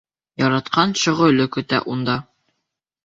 Яратҡан шөғөлө көтә унда.